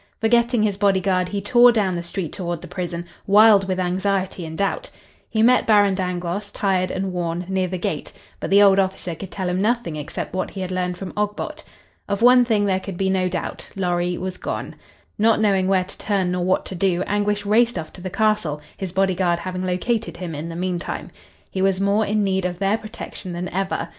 Forgetting his bodyguard, he tore down the street toward the prison, wild with anxiety and doubt. He met Baron Dangloss, tired and worn, near the gate, but the old officer could tell him nothing except what he had learned from Ogbot. Of one thing there could be no doubt: Lorry was gone. Not knowing where to turn nor what to do, Anguish raced off to the castle, his bodyguard having located him in the meantime. He was more in need of their protection than ever.